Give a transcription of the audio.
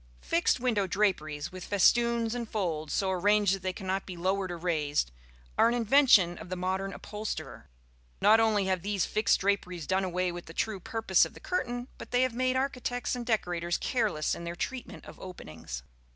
Fixed window draperies, with festoons and folds so arranged that they cannot be lowered or raised, are an invention of the modern upholsterer. Not only have these fixed draperies done away with the true purpose of the curtain, but they have made architects and decorators careless in their treatment of openings.